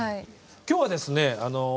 今日はですね